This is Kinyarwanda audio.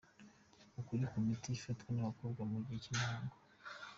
Ukuri ku miti ifatwa n’abakobwa mu gihe cy’imihango